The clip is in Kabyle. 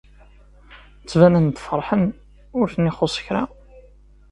Ttbanen-d feṛḥen, ur ten-ixuṣṣ kra.